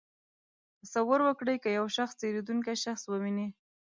تصور وکړئ که یو شخص تېرېدونکی شخص وویني.